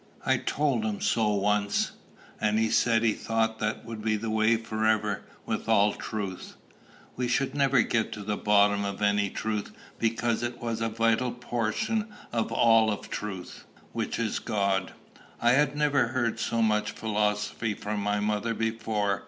I told him so once; and he said he thought that would be the way forever with all truth, we should never get to the bottom of any truth, because it was a vital portion of the all of truth, which is God." I had never heard so much philosophy from my mother before.